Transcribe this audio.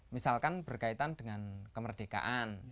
misalkan berkaitan dengan kemerdekaan